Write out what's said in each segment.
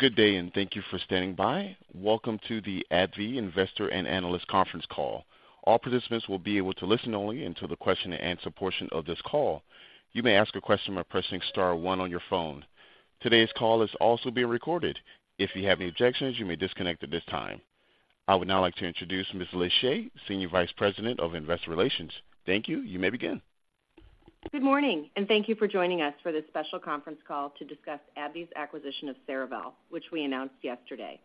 Good day, and thank you for standing by. Welcome to the AbbVie Investor and Analyst Conference Call. All participants will be able to listen only until the question-and-answer portion of this call. You may ask a question by pressing star one on your phone. Today's call is also being recorded. If you have any objections, you may disconnect at this time. I would now like to introduce Ms. Liz Shea, Senior Vice President of Investor Relations. Thank you. You may begin. Good morning, and thank you for joining us for this special conference call to discuss AbbVie's acquisition of Cerevel, which we announced yesterday.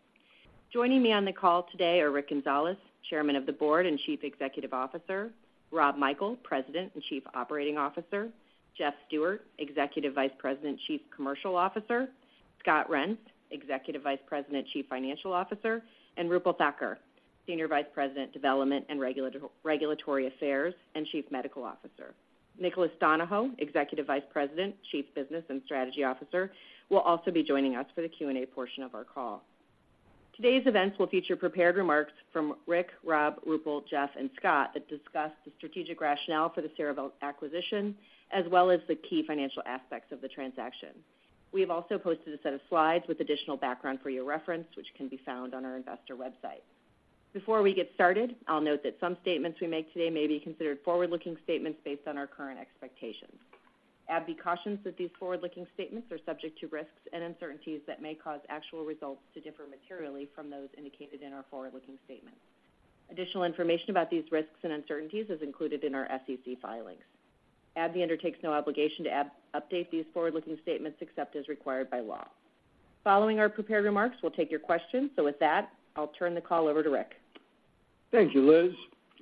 Joining me on the call today are Rick Gonzalez, Chairman of the Board and Chief Executive Officer, Rob Michael, President and Chief Operating Officer, Jeff Stewart, Executive Vice President, Chief Commercial Officer, Scott Reents, Executive Vice President, Chief Financial Officer, and Roopal Thakkar, Senior Vice President, Development and Regulatory Affairs, and Chief Medical Officer. Nicholas Donahoe, Executive Vice President, Chief Business and Strategy Officer, will also be joining us for the Q&A portion of our call. Today's events will feature prepared remarks from Rick, Rob, Roopal, Jeff, and Scott that discuss the strategic rationale for the Cerevel acquisition, as well as the key financial aspects of the transaction. We have also posted a set of slides with additional background for your reference, which can be found on our investor website. Before we get started, I'll note that some statements we make today may be considered forward-looking statements based on our current expectations. AbbVie cautions that these forward-looking statements are subject to risks and uncertainties that may cause actual results to differ materially from those indicated in our forward-looking statements. Additional information about these risks and uncertainties is included in our SEC filings. AbbVie undertakes no obligation to update these forward-looking statements except as required by law. Following our prepared remarks, we'll take your questions. So with that, I'll turn the call over to Rick. Thank you, Liz.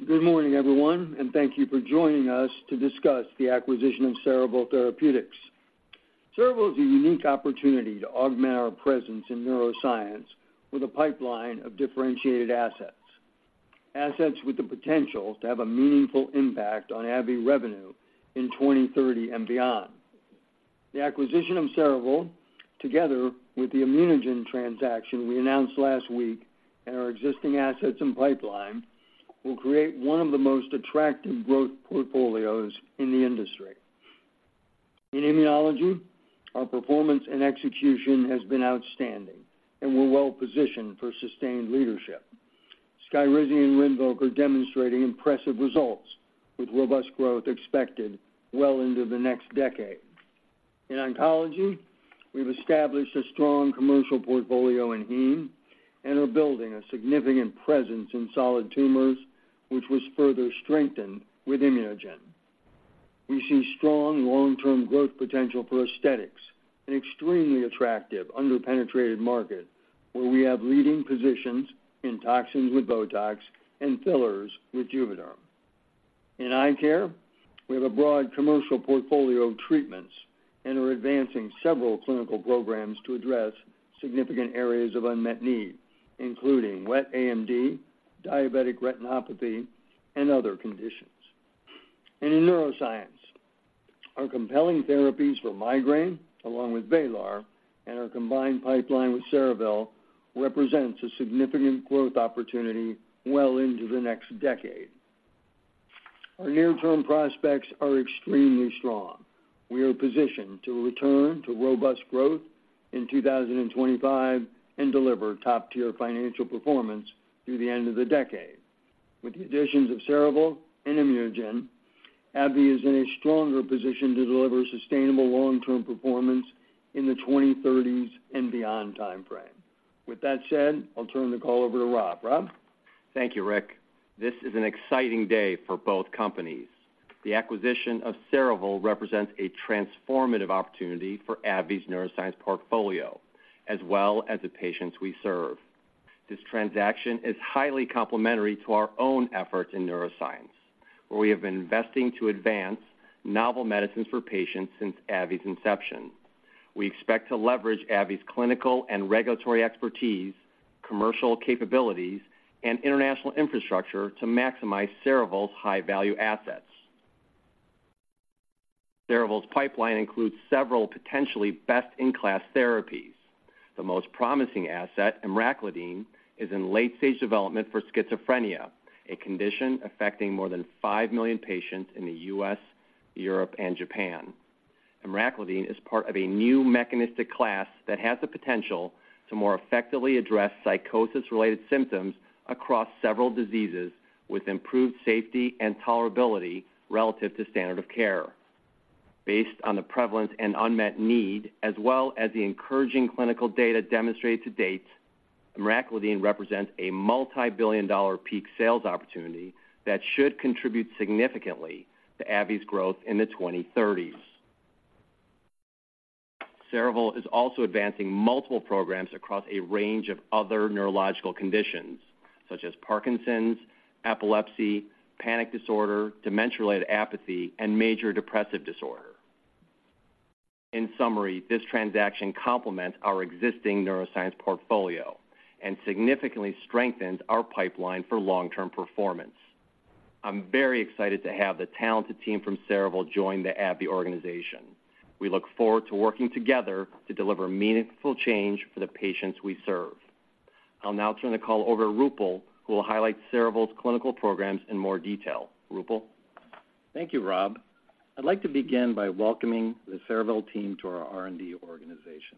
Good morning, everyone, and thank you for joining us to discuss the acquisition of Cerevel Therapeutics. Cerevel is a unique opportunity to augment our presence in neuroscience with a pipeline of differentiated assets, assets with the potential to have a meaningful impact on AbbVie revenue in 2030 and beyond. The acquisition of Cerevel, together with the ImmunoGen transaction we announced last week and our existing assets and pipeline, will create one of the most attractive growth portfolios in the industry. In immunology, our performance and execution has been outstanding, and we're well positioned for sustained leadership. SKYRIZI and RINVOQ are demonstrating impressive results, with robust growth expected well into the next decade. In oncology, we've established a strong commercial portfolio in heme and are building a significant presence in solid tumors, which was further strengthened with ImmunoGen. We see strong long-term growth potential for aesthetics, an extremely attractive, under-penetrated market, where we have leading positions in toxins with BOTOX and fillers with JUVÉDERM. In eye care, we have a broad commercial portfolio of treatments and are advancing several clinical programs to address significant areas of unmet need, including wet AMD, diabetic retinopathy, and other conditions. In neuroscience, our compelling therapies for migraine, along with VRAYLAR and our combined pipeline with Cerevel, represents a significant growth opportunity well into the next decade. Our near-term prospects are extremely strong. We are positioned to return to robust growth in 2025 and deliver top-tier financial performance through the end of the decade. With the additions of Cerevel and ImmunoGen, AbbVie is in a stronger position to deliver sustainable long-term performance in the 2030s and beyond timeframe. With that said, I'll turn the call over to Rob. Rob? Thank you, Rick. This is an exciting day for both companies. The acquisition of Cerevel represents a transformative opportunity for AbbVie's neuroscience portfolio, as well as the patients we serve. This transaction is highly complementary to our own efforts in neuroscience, where we have been investing to advance novel medicines for patients since AbbVie's inception. We expect to leverage AbbVie's clinical and regulatory expertise, commercial capabilities, and international infrastructure to maximize Cerevel's high-value assets. Cerevel's pipeline includes several potentially best-in-class therapies. The most promising asset, emraclidine, is in late-stage development for schizophrenia, a condition affecting more than five million patients in the U.S., Europe, and Japan. Emraclidine is part of a new mechanistic class that has the potential to more effectively address psychosis-related symptoms across several diseases, with improved safety and tolerability relative to standard of care. Based on the prevalence and unmet need, as well as the encouraging clinical data demonstrated to date, emraclidine represents a multibillion-dollar peak sales opportunity that should contribute significantly to AbbVie's growth in the 2030s. Cerevel is also advancing multiple programs across a range of other neurological conditions, such as Parkinson's, epilepsy, panic disorder, dementia-related apathy, and major depressive disorder. In summary, this transaction complements our existing neuroscience portfolio and significantly strengthens our pipeline for long-term performance. I'm very excited to have the talented team from Cerevel join the AbbVie organization. We look forward to working together to deliver meaningful change for the patients we serve. I'll now turn the call over to Roopal, who will highlight Cerevel's clinical programs in more detail. Roopal? Thank you, Rob. I'd like to begin by welcoming the Cerevel team to our R&D organization.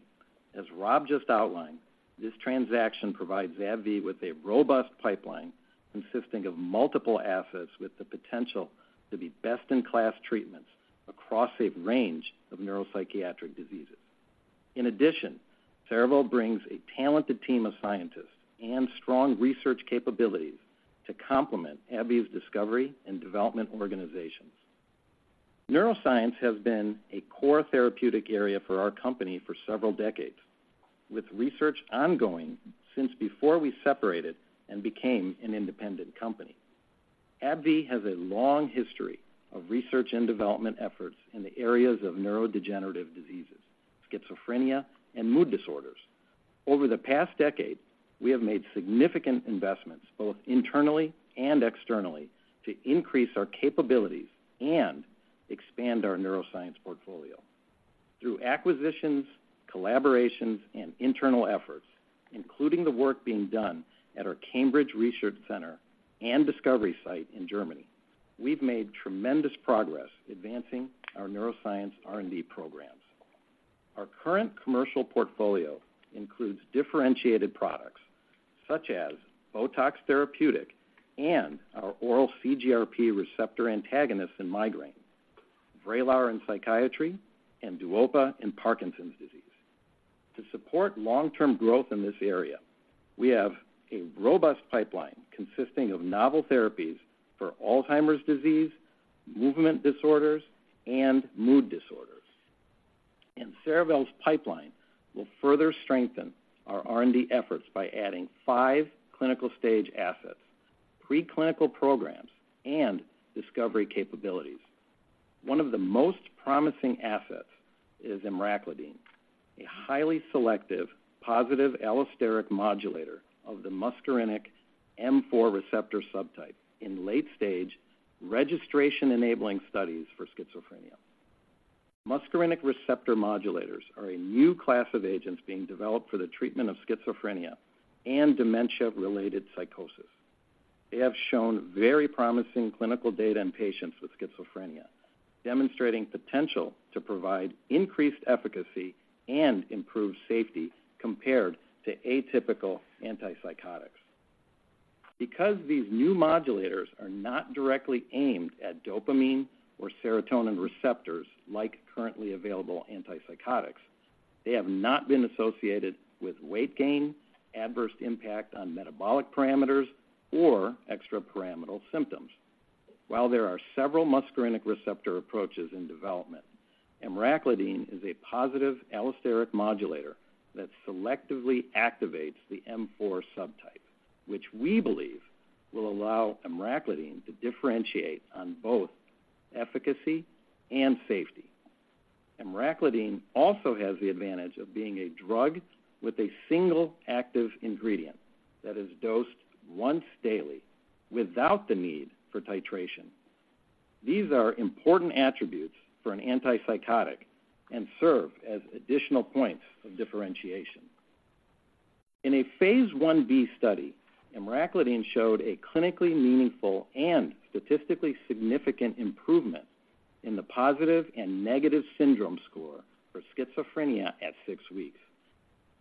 As Rob just outlined, this transaction provides AbbVie with a robust pipeline consisting of multiple assets with the potential to be best-in-class treatments across a range of neuropsychiatric diseases. In addition, Cerevel brings a talented team of scientists and strong research capabilities to complement AbbVie's discovery and development organizations. Neuroscience has been a core therapeutic area for our company for several decades, with research ongoing since before we separated and became an independent company. AbbVie has a long history of research and development efforts in the areas of neurodegenerative diseases, schizophrenia, and mood disorders. Over the past decade, we have made significant investments, both internally and externally, to increase our capabilities and expand our neuroscience portfolio. Through acquisitions, collaborations, and internal efforts, including the work being done at our Cambridge Research Center and discovery site in Germany, we've made tremendous progress advancing our neuroscience R&D programs. Our current commercial portfolio includes differentiated products such as BOTOX Therapeutic and our oral CGRP receptor antagonist in migraine, VRAYLAR in psychiatry, and DUOPA in Parkinson's disease. To support long-term growth in this area, we have a robust pipeline consisting of novel therapies for Alzheimer's disease, movement disorders, and mood disorders. And Cerevel's pipeline will further strengthen our R&D efforts by adding five clinical stage assets, preclinical programs, and discovery capabilities. One of the most promising assets is emraclidine, a highly selective, positive allosteric modulator of the muscarinic M4 receptor subtype in late-stage registration-enabling studies for schizophrenia. Muscarinic receptor modulators are a new class of agents being developed for the treatment of schizophrenia and dementia-related psychosis. They have shown very promising clinical data in patients with schizophrenia, demonstrating potential to provide increased efficacy and improved safety compared to atypical antipsychotics. Because these new modulators are not directly aimed at dopamine or serotonin receptors, like currently available antipsychotics, they have not been associated with weight gain, adverse impact on metabolic parameters, or extrapyramidal symptoms. While there are several muscarinic receptor approaches in development, emraclidine is a positive allosteric modulator that selectively activates the M4 subtype, which we believe will allow emraclidine to differentiate on both efficacy and safety. Emraclidine also has the advantage of being a drug with a single active ingredient that is dosed once daily without the need for titration. These are important attributes for an antipsychotic and serve as additional points of differentiation. In a phase 1b study, emraclidine showed a clinically meaningful and statistically significant improvement in the positive and negative syndrome score for schizophrenia at six weeks.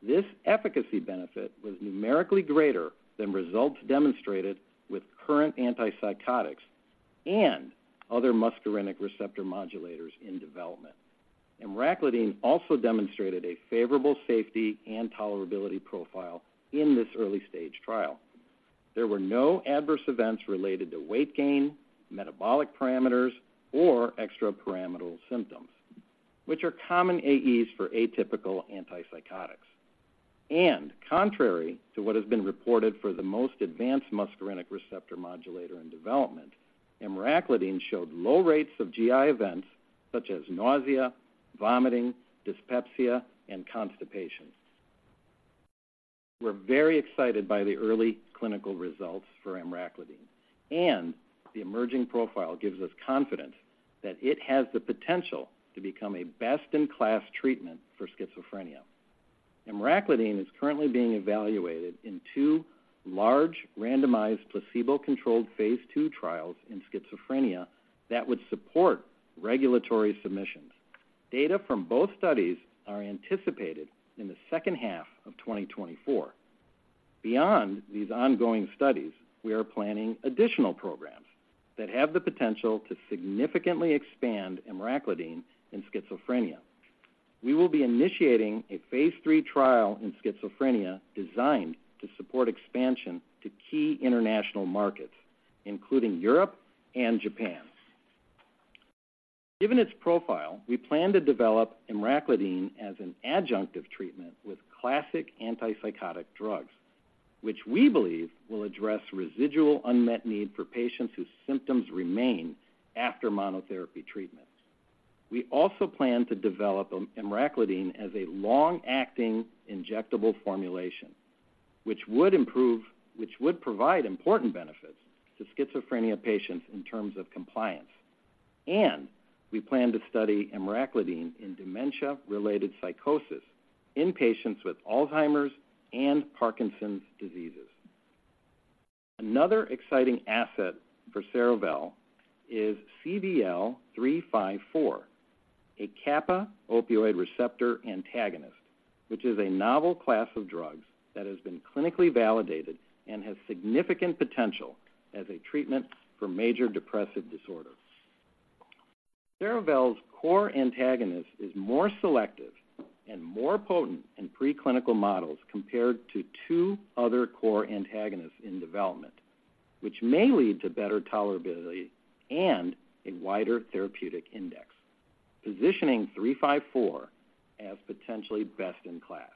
This efficacy benefit was numerically greater than results demonstrated with current antipsychotics and other muscarinic receptor modulators in development. Emraclidine also demonstrated a favorable safety and tolerability profile in this early-stage trial. There were no adverse events related to weight gain, metabolic parameters, or extrapyramidal symptoms, which are common AEs for atypical antipsychotics. Contrary to what has been reported for the most advanced muscarinic receptor modulator in development, emraclidine showed low rates of GI events such as nausea, vomiting, dyspepsia, and constipation. We're very excited by the early clinical results for emraclidine, and the emerging profile gives us confidence that it has the potential to become a best-in-class treatment for schizophrenia. Emraclidine is currently being evaluated in two large, randomized, placebo-controlled phase II trials in schizophrenia that would support regulatory submissions. Data from both studies are anticipated in the second half of 2024. Beyond these ongoing studies, we are planning additional programs that have the potential to significantly expand emraclidine in schizophrenia. We will be initiating a phase III trial in schizophrenia designed to support expansion to key international markets, including Europe and Japan. Given its profile, we plan to develop emraclidine as an adjunctive treatment with classic antipsychotic drugs, which we believe will address residual unmet need for patients whose symptoms remain after monotherapy treatments. We also plan to develop emraclidine as a long-acting injectable formulation, which would provide important benefits to schizophrenia patients in terms of compliance. We plan to study emraclidine in dementia-related psychosis in patients with Alzheimer's and Parkinson's diseases.... Another exciting asset for Cerevel is CVL-354, a kappa opioid receptor antagonist, which is a novel class of drugs that has been clinically validated and has significant potential as a treatment for major depressive disorder. Cerevel's kappa antagonist is more selective and more potent in preclinical models compared to two other kappa antagonists in development, which may lead to better tolerability and a wider therapeutic index, positioning 354 as potentially best in class.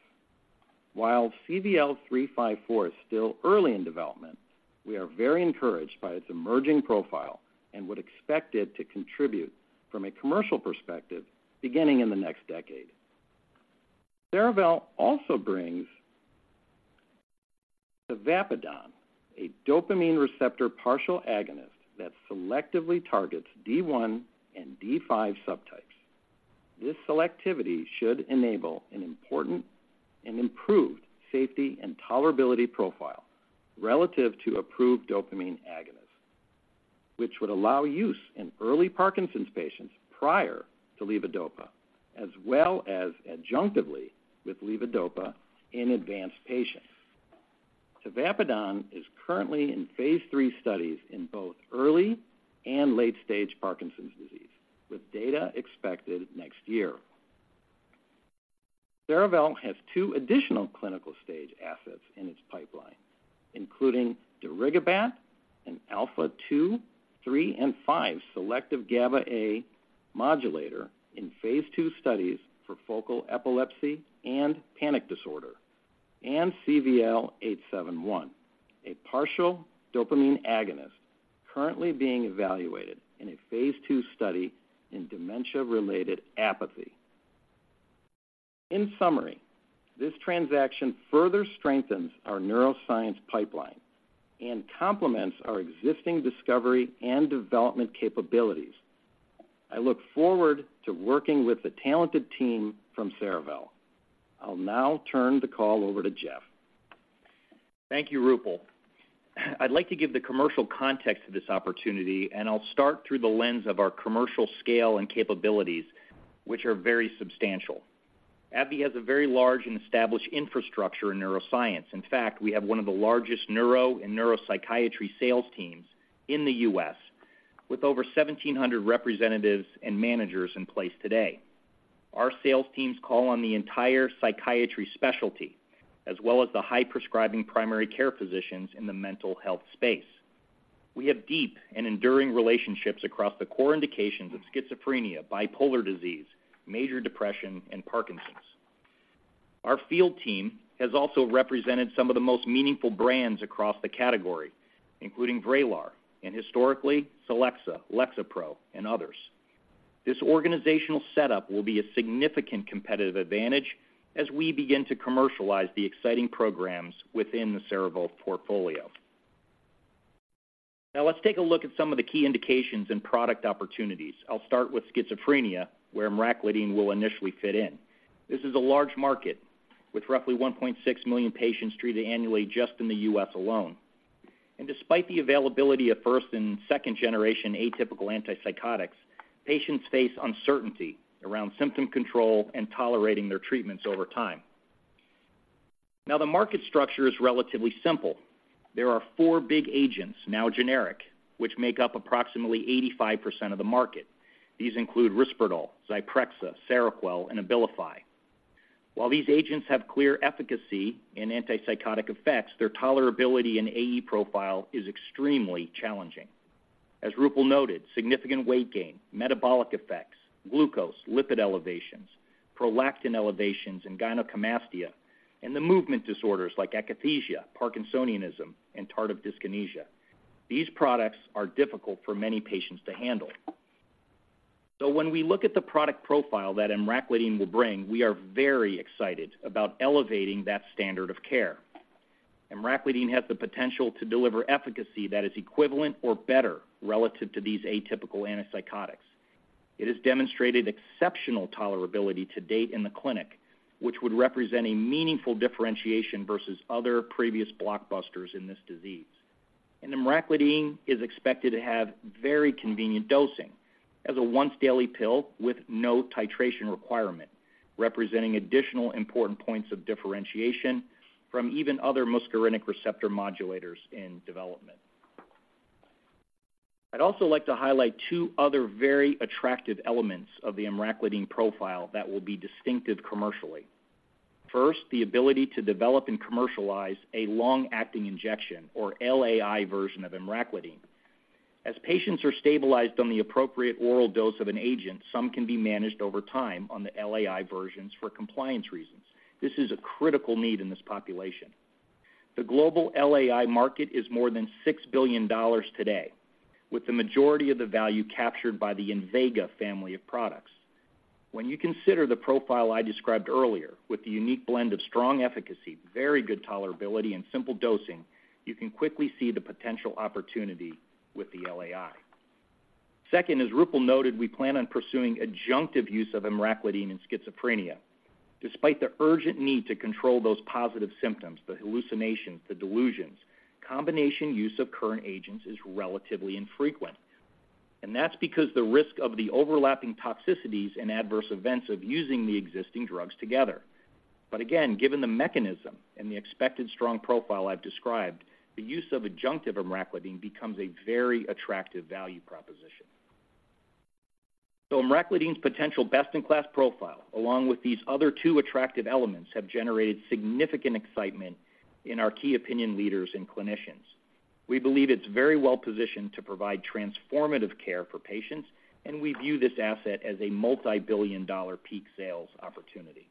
While CVL-354 is still early in development, we are very encouraged by its emerging profile and would expect it to contribute from a commercial perspective beginning in the next decade. Cerevel also brings tavapadon, a dopamine receptor partial agonist that selectively targets D1 and D5 subtypes. This selectivity should enable an important and improved safety and tolerability profile relative to approved dopamine agonists, which would allow use in early Parkinson's patients prior to levodopa, as well as adjunctively with levodopa in advanced patients. tavapadon is currently in phase III studies in both early and late-stage Parkinson's disease, with data expected next year. Cerevel has two additional clinical stage assets in its pipeline, including darigabat, an alpha 2, 3, and 5 selective GABA-A modulator in phase II studies for focal epilepsy and panic disorder, and CVL-871, a partial dopamine agonist currently being evaluated in a phase 2 study in dementia-related apathy. In summary, this transaction further strengthens our neuroscience pipeline and complements our existing discovery and development capabilities. I look forward to working with the talented team from Cerevel. I'll now turn the call over to Jeff. Thank you, Roopal. I'd like to give the commercial context to this opportunity, and I'll start through the lens of our commercial scale and capabilities, which are very substantial. AbbVie has a very large and established infrastructure in neuroscience. In fact, we have one of the largest neuro and neuropsychiatry sales teams in the U.S., with over 1,700 representatives and managers in place today. Our sales teams call on the entire psychiatry specialty, as well as the high prescribing primary care physicians in the mental health space. We have deep and enduring relationships across the core indications of schizophrenia, bipolar disease, major depression, and Parkinson's. Our field team has also represented some of the most meaningful brands across the category, including VRAYLAR and historically, Celexa, Lexapro, and others. This organizational setup will be a significant competitive advantage as we begin to commercialize the exciting programs within the Cerevel portfolio. Now, let's take a look at some of the key indications and product opportunities. I'll start with schizophrenia, where emraclidine will initially fit in. This is a large market with roughly 1.6 million patients treated annually just in the U.S. alone. And despite the availability of first- and second-generation atypical antipsychotics, patients face uncertainty around symptom control and tolerating their treatments over time. Now, the market structure is relatively simple. There are four big agents, now generic, which make up approximately 85% of the market. These include Risperdal, Zyprexa, Seroquel and Abilify. While these agents have clear efficacy and antipsychotic effects, their tolerability and AE profile is extremely challenging. As Roopal noted, significant weight gain, metabolic effects, glucose, lipid elevations, prolactin elevations and gynecomastia, and the movement disorders like akathisia, parkinsonism, and tardive dyskinesia. These products are difficult for many patients to handle. When we look at the product profile that emraclidine will bring, we are very excited about elevating that standard of care. Emraclidine has the potential to deliver efficacy that is equivalent or better relative to these atypical antipsychotics. It has demonstrated exceptional tolerability to date in the clinic, which would represent a meaningful differentiation versus other previous blockbusters in this disease. Emraclidine is expected to have very convenient dosing as a once-daily pill with no titration requirement, representing additional important points of differentiation from even other muscarinic receptor modulators in development. I'd also like to highlight two other very attractive elements of the emraclidine profile that will be distinctive commercially. First, the ability to develop and commercialize a long-acting injection, or LAI version of emraclidine. As patients are stabilized on the appropriate oral dose of an agent, some can be managed over time on the LAI versions for compliance reasons. This is a critical need in this population. The global LAI market is more than $6 billion today, with the majority of the value captured by the INVEGA family of products. When you consider the profile I described earlier, with the unique blend of strong efficacy, very good tolerability, and simple dosing, you can quickly see the potential opportunity with the LAI. Second, as Roopal noted, we plan on pursuing adjunctive use of emraclidine in schizophrenia. Despite the urgent need to control those positive symptoms, the hallucinations, the delusions, combination use of current agents is relatively infrequent, and that's because the risk of the overlapping toxicities and adverse events of using the existing drugs together. But again, given the mechanism and the expected strong profile I've described, the use of adjunctive emraclidine becomes a very attractive value proposition. So emraclidine's potential best-in-class profile, along with these other two attractive elements, have generated significant excitement in our key opinion leaders and clinicians. We believe it's very well positioned to provide transformative care for patients, and we view this asset as a multibillion-dollar peak sales opportunity.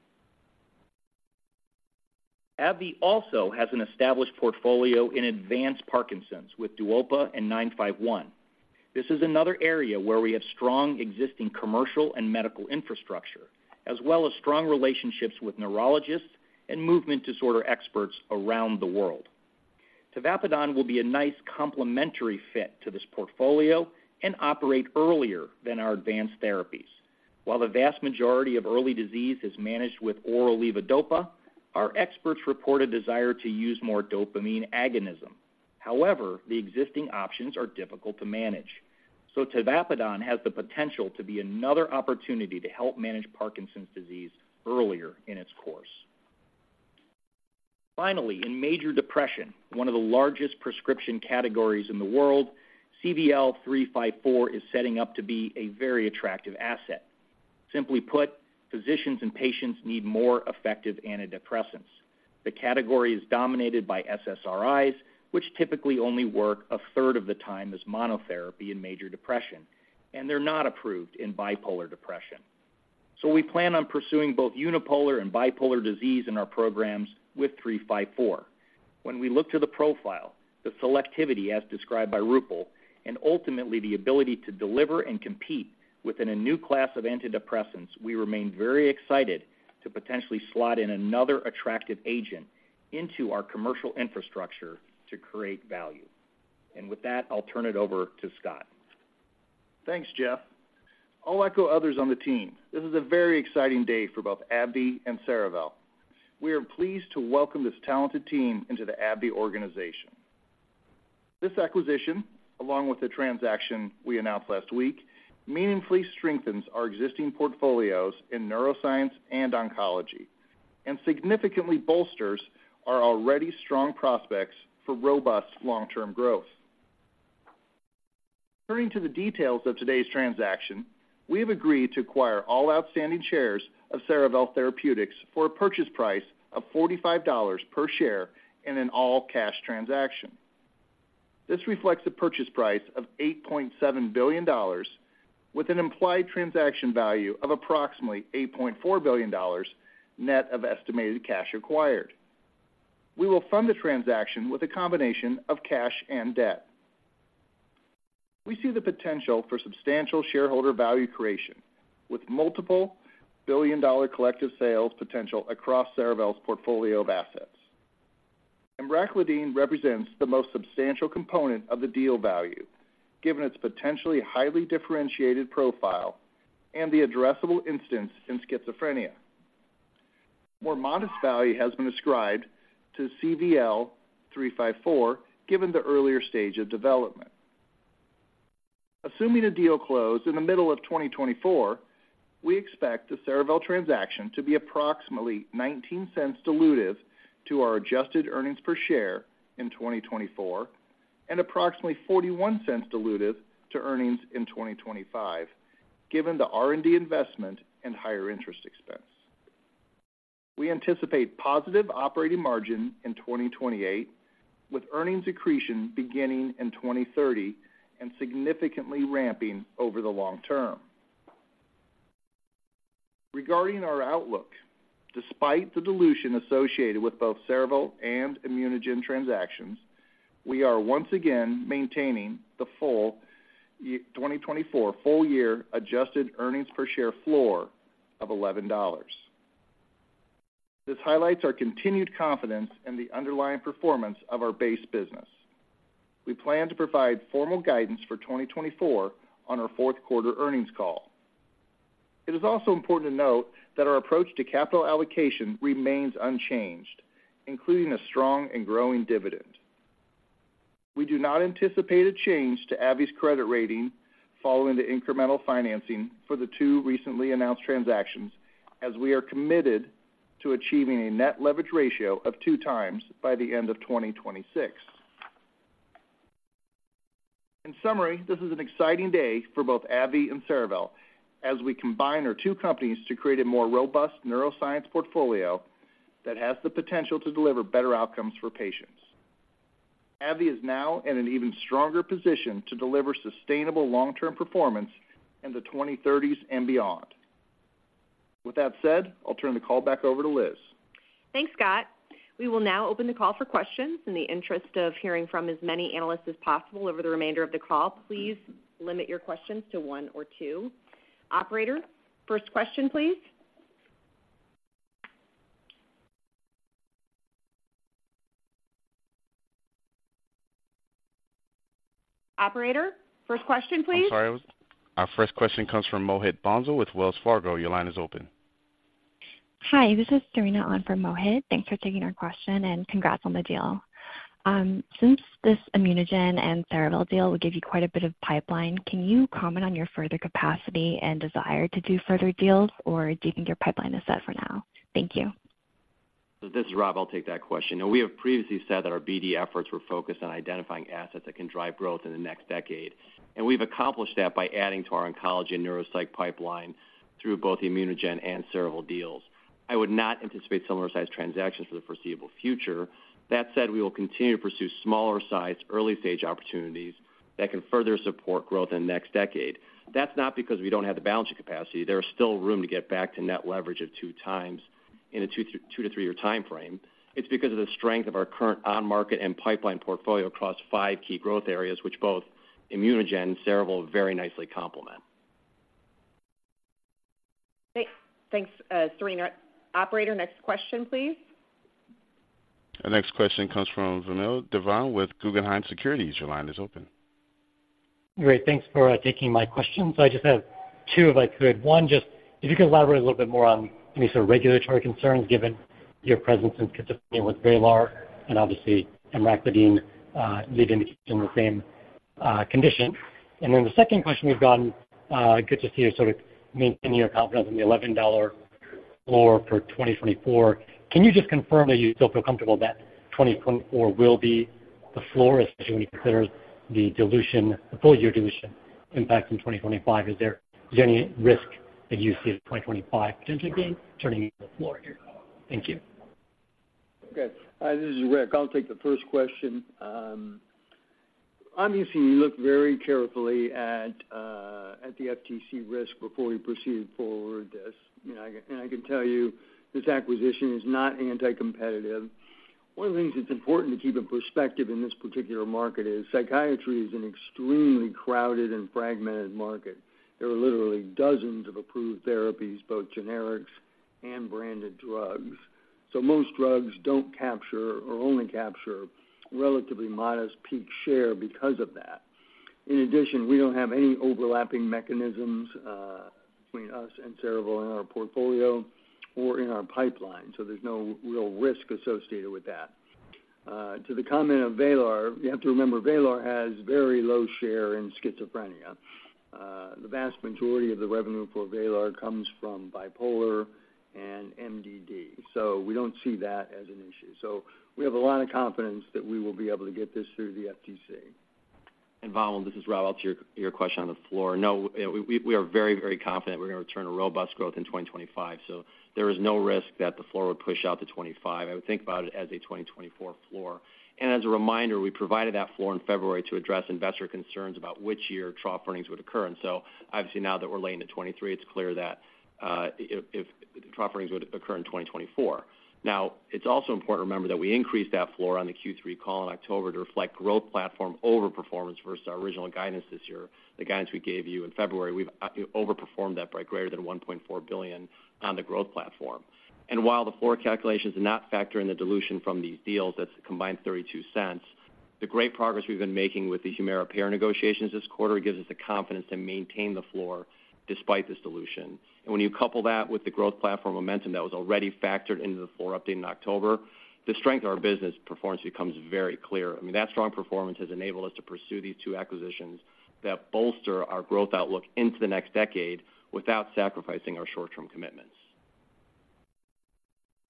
AbbVie also has an established portfolio in advanced Parkinson's with DUOPA and 951. This is another area where we have strong existing commercial and medical infrastructure, as well as strong relationships with neurologists and movement disorder experts around the world. Tavapadon will be a nice complementary fit to this portfolio and operate earlier than our advanced therapies. While the vast majority of early disease is managed with oral levodopa, our experts report a desire to use more dopamine agonism. However, the existing options are difficult to manage, so tavapadon has the potential to be another opportunity to help manage Parkinson's disease earlier in its course. Finally, in major depression, one of the largest prescription categories in the world, CVL354 is setting up to be a very attractive asset. Simply put, physicians and patients need more effective antidepressants. The category is dominated by SSRIs, which typically only work a third of the time as monotherapy in major depression, and they're not approved in bipolar depression. So we plan on pursuing both unipolar and bipolar disease in our programs with 354. When we look to the profile, the selectivity, as described by Roopal, and ultimately the ability to deliver and compete within a new class of antidepressants, we remain very excited to potentially slot in another attractive agent into our commercial infrastructure to create value. With that, I'll turn it over to Scott. Thanks, Jeff. I'll echo others on the team. This is a very exciting day for both AbbVie and Cerevel. We are pleased to welcome this talented team into the AbbVie organization. This acquisition, along with the transaction we announced last week, meaningfully strengthens our existing portfolios in neuroscience and oncology, and significantly bolsters our already strong prospects for robust long-term growth. Turning to the details of today's transaction, we have agreed to acquire all outstanding shares of Cerevel Therapeutics for a purchase price of $45 per share in an all-cash transaction. This reflects a purchase price of $8.7 billion, with an implied transaction value of approximately $8.4 billion, net of estimated cash acquired. We will fund the transaction with a combination of cash and debt. We see the potential for substantial shareholder value creation, with multiple billion-dollar collective sales potential across Cerevel's portfolio of assets. Emraclidine represents the most substantial component of the deal value, given its potentially highly differentiated profile and the addressable market in schizophrenia. More modest value has been ascribed to CVL-354, given the earlier stage of development. Assuming the deal closed in the middle of 2024, we expect the Cerevel transaction to be approximately $0.19 dilutive to our adjusted earnings per share in 2024, and approximately $0.41 dilutive to earnings in 2025, given the R&D investment and higher interest expense. We anticipate positive operating margin in 2028, with earnings accretion beginning in 2030 and significantly ramping over the long term. Regarding our outlook, despite the dilution associated with both Cerevel and ImmunoGen transactions, we are once again maintaining the full 2024 full year adjusted earnings per share floor of $11. This highlights our continued confidence in the underlying performance of our base business. We plan to provide formal guidance for 2024 on our fourth quarter earnings call. It is also important to note that our approach to capital allocation remains unchanged, including a strong and growing dividend. We do not anticipate a change to AbbVie's credit rating following the incremental financing for the two recently announced transactions, as we are committed to achieving a net leverage ratio of 2x by the end of 2026. In summary, this is an exciting day for both AbbVie and Cerevel as we combine our two companies to create a more robust neuroscience portfolio that has the potential to deliver better outcomes for patients. AbbVie is now in an even stronger position to deliver sustainable long-term performance in the 2030s and beyond. With that said, I'll turn the call back over to Liz. Thanks, Scott. We will now open the call for questions. In the interest of hearing from as many analysts as possible over the remainder of the call, please limit your questions to one or two. Operator, first question, please?... Operator, first question, please. I'm sorry, our first question comes from Mohit Bansal with Wells Fargo. Your line is open. Hi, this is Serena on from Mohit. Thanks for taking our question, and congrats on the deal. Since this ImmunoGen and Cerevel deal will give you quite a bit of pipeline, can you comment on your further capacity and desire to do further deals, or do you think your pipeline is set for now? Thank you. This is Rob. I'll take that question. We have previously said that our BD efforts were focused on identifying assets that can drive growth in the next decade, and we've accomplished that by adding to our oncology and neuropsych pipeline through both the ImmunoGen and Cerevel deals. I would not anticipate similar-sized transactions for the foreseeable future. That said, we will continue to pursue smaller sites, early-stage opportunities that can further support growth in the next decade. That's not because we don't have the balancing capacity. There is still room to get back to net leverage of 2x in a 2-3-year time frame. It's because of the strength of our current on-market and pipeline portfolio across 5 key growth areas, which both ImmunoGen and Cerevel very nicely complement. Thanks, Serena. Operator, next question, please. Our next question comes from Vamil Divan with Guggenheim Securities. Your line is open. Great. Thanks for taking my question. So I just have two, if I could. One, just if you could elaborate a little bit more on any sort of regulatory concerns, given your presence in schizophrenia with VRAYLAR and obviously emraclidine, lead indication in the same, condition. And then the second question, we've gotten, good to see you sort of maintaining your confidence in the $11 floor for 2024. Can you just confirm that you still feel comfortable that 2024 will be the floor, especially when you consider the dilution, the full year dilution impact in 2025? Is there any risk that you see in 2025 potentially turning the floor here? Thank you. Okay. This is Rick. I'll take the first question. Obviously, we looked very carefully at the FTC risk before we proceeded forward with this. You know, and I can tell you this acquisition is not anti-competitive. One of the things that's important to keep in perspective in this particular market is psychiatry is an extremely crowded and fragmented market. There are literally dozens of approved therapies, both generics and branded drugs, so most drugs don't capture or only capture relatively modest peak share because of that. In addition, we don't have any overlapping mechanisms between us and Cerevel in our portfolio or in our pipeline, so there's no real risk associated with that. To the comment of VRAYLAR, you have to remember, VRAYLAR has very low share in schizophrenia. The vast majority of the revenue for VRAYLAR comes from bipolar and MDD, so we don't see that as an issue. So we have a lot of confidence that we will be able to get this through the FTC. Vamil, this is Rob. I'll turn to your question on the floor. No, we are very, very confident we're going to return a robust growth in 2025, so there is no risk that the floor would push out to 2025. I would think about it as a 2024 floor. As a reminder, we provided that floor in February to address investor concerns about which year trough earnings would occur. So obviously, now that we're guiding to 2023, it's clear that trough earnings would occur in 2024. Now, it's also important to remember that we increased that floor on the Q3 call in October to reflect growth platform overperformance versus our original guidance this year. The guidance we gave you in February, we've over performed that by greater than $1.4 billion on the growth platform. While the floor calculations do not factor in the dilution from these deals, that's a combined $0.32, the great progress we've been making with the HUMIRA pair negotiations this quarter gives us the confidence to maintain the floor despite this dilution. When you couple that with the growth platform momentum that was already factored into the floor update in October, the strength of our business performance becomes very clear. I mean, that strong performance has enabled us to pursue these two acquisitions that bolster our growth outlook into the next decade without sacrificing our short-term commitments.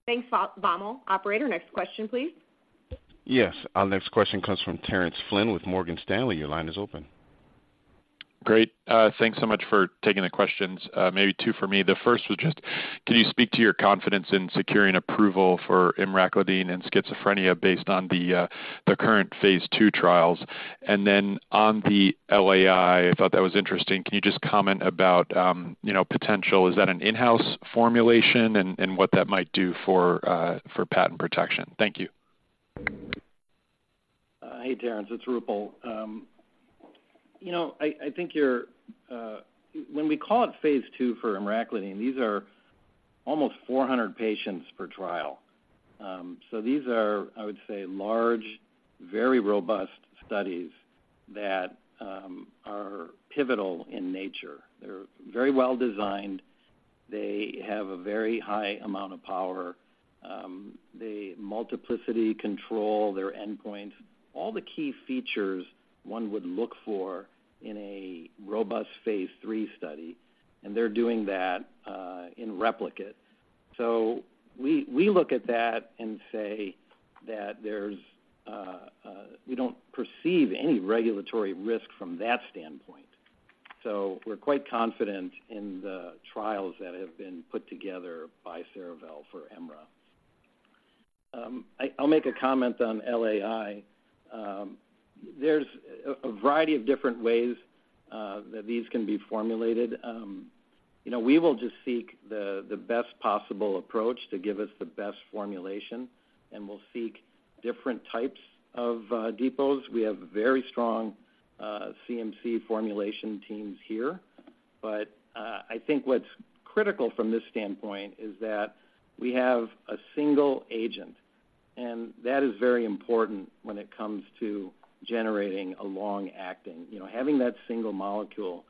Thanks, Vamil. Operator, next question, please. Yes, our next question comes from Terence Flynn with Morgan Stanley. Your line is open. Great. Thanks so much for taking the questions. Maybe two for me. The first was just, can you speak to your confidence in securing approval for emraclidine and schizophrenia based on the current phase II trials? And then on the LAI, I thought that was interesting. Can you just comment about, you know, potential? Is that an in-house formulation and what that might do for patent protection? Thank you. Hey, Terence, it's Roopal. You know, I think you're... When we call it phase II for emraclidine, these are almost 400 patients per trial. So these are, I would say, large, very robust studies that are pivotal in nature. They're very well designed. They have a very high amount of power. They multiplicity control their endpoints, all the key features one would look for in a robust phase III study, and they're doing that in replicate. So we look at that and say that there's, we don't perceive any regulatory risk from that standpoint. So we're quite confident in the trials that have been put together by Cerevel for emraclidine. I'll make a comment on LAI. There's a variety of different ways that these can be formulated. You know, we will just seek the best possible approach to give us the best formulation, and we'll seek different types of depots. We have very strong CMC formulation teams here. But I think what's critical from this standpoint is that we have a single agent, and that is very important when it comes to generating a long-acting. You know, having that single molecule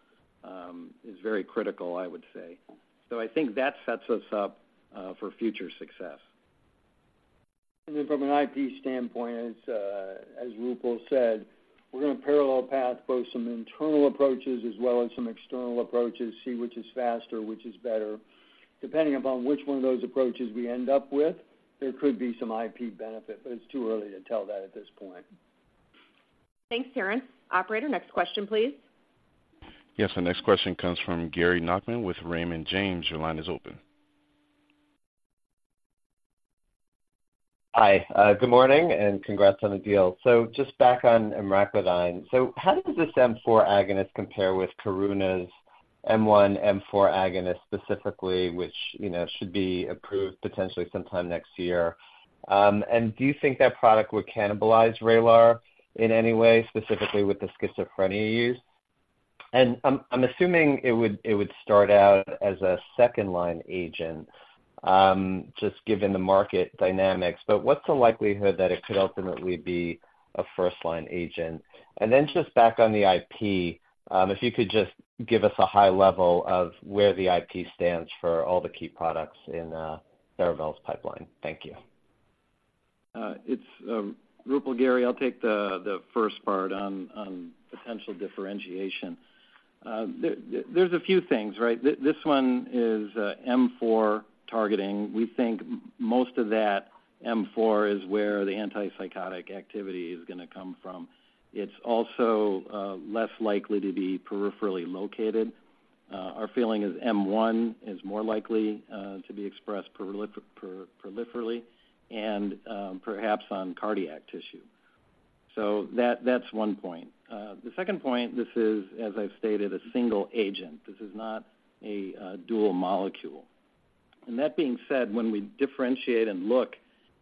is very critical, I would say. So I think that sets us up for future success. From an IP standpoint, as Roopal said, we're gonna parallel path both some internal approaches as well as some external approaches, see which is faster, which is better. Depending upon which one of those approaches we end up with, there could be some IP benefit, but it's too early to tell that at this point. Thanks, Terence. Operator, next question, please. Yes, the next question comes from Gary Nachman with Raymond James. Your line is open. Hi, good morning, and congrats on the deal. So just back on emraclidine. So how does this M4 agonist compare with Karuna's M1, M4 agonist, specifically, which, you know, should be approved potentially sometime next year? And do you think that product would cannibalize VRAYLAR in any way, specifically with the schizophrenia use? And I'm assuming it would start out as a second-line agent, just given the market dynamics. But what's the likelihood that it could ultimately be a first-line agent? And then just back on the IP, if you could just give us a high level of where the IP stands for all the key products in Cerevel's pipeline. Thank you. It's Roopal, Gary. I'll take the first part on potential differentiation. There's a few things, right? This one is M4 targeting. We think most of that M4 is where the antipsychotic activity is gonna come from. It's also less likely to be peripherally located. Our feeling is M1 is more likely to be expressed peripherally and perhaps on cardiac tissue. So that's one point. The second point, this is, as I've stated, a single agent. This is not a dual molecule. And that being said, when we differentiate and look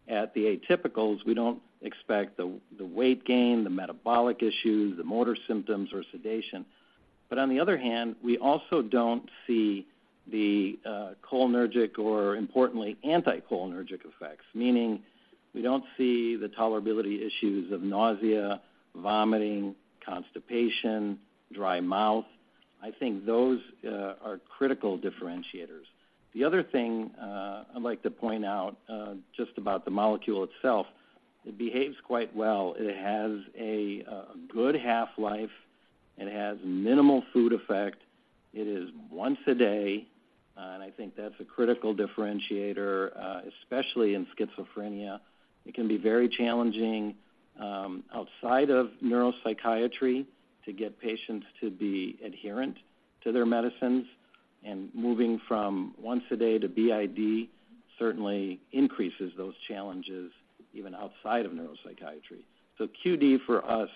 at the atypicals, we don't expect the weight gain, the metabolic issues, the motor symptoms, or sedation. But on the other hand, we also don't see the cholinergic or importantly, anticholinergic effects, meaning we don't see the tolerability issues of nausea, vomiting, constipation, dry mouth. I think those are critical differentiators. The other thing I'd like to point out just about the molecule itself, it behaves quite well. It has a good half-life, it has minimal food effect. It is once a day, and I think that's a critical differentiator, especially in schizophrenia. It can be very challenging outside of neuropsychiatry to get patients to be adherent to their medicines, and moving from once a day to BID certainly increases those challenges, even outside of neuropsychiatry. So QD, for us,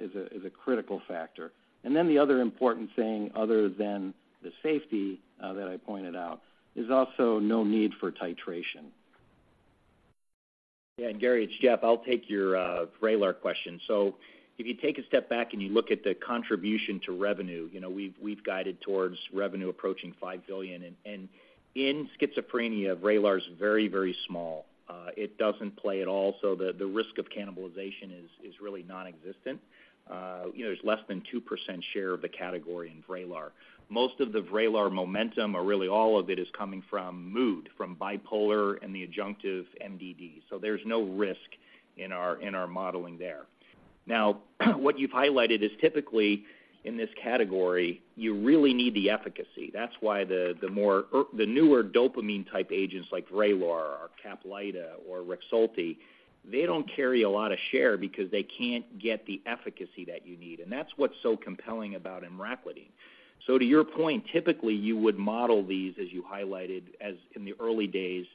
is a critical factor. And then the other important thing, other than the safety that I pointed out, is also no need for titration. Yeah, and Gary, it's Jeff. I'll take your VRAYLAR question. So if you take a step back and you look at the contribution to revenue, you know, we've guided towards revenue approaching $5 billion. And in schizophrenia, VRAYLAR is very, very small. It doesn't play at all, so the risk of cannibalization is really non-existent. You know, there's less than 2% share of the category in VRAYLAR. Most of the VRAYLAR momentum, or really all of it, is coming from mood, from bipolar and the adjunctive MDD. So there's no risk in our modeling there. Now, what you've highlighted is typically in this category, you really need the efficacy. That's why the newer dopamine-type agents like VRAYLAR or Caplyta or Rexulti, they don't carry a lot of share because they can't get the efficacy that you need, and that's what's so compelling about emraclidine. So to your point, typically, you would model these, as you highlighted, as in the early days,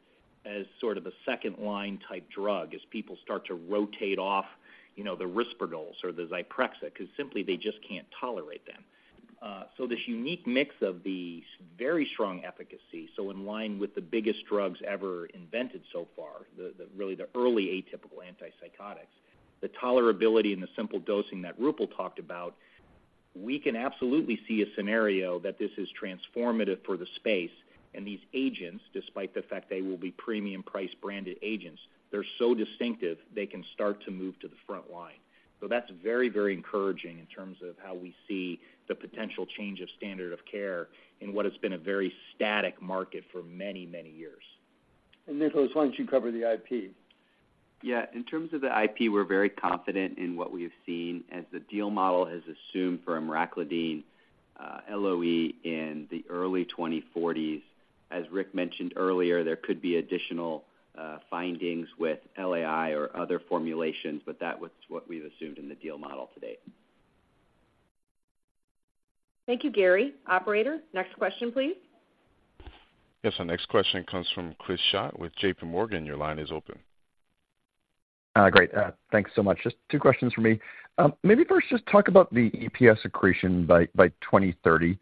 as sort of a second-line type drug as people start to rotate off, you know, the Risperdal or the Zyprexa, 'cause simply they just can't tolerate them. So this unique mix of the very strong efficacy, so in line with the biggest drugs ever invented so far, the really early atypical antipsychotics, the tolerability and the simple dosing that Roopal talked about, we can absolutely see a scenario that this is transformative for the space. These agents, despite the fact they will be premium price branded agents, they're so distinctive they can start to move to the front line. That's very, very encouraging in terms of how we see the potential change of standard of care in what has been a very static market for many, many years. Nicholas, why don't you cover the IP? Yeah. In terms of the IP, we're very confident in what we have seen, as the deal model has assumed for emraclidine, LOE in the early 2040s. As Rick mentioned earlier, there could be additional findings with LAI or other formulations, but that was what we've assumed in the deal model to date. Thank you, Gary. Operator, next question, please. Yes, our next question comes from Chris Schott with JPMorgan. Your line is open. Great. Thanks so much. Just two questions for me. Maybe first, just talk about the EPS accretion by, by 2030.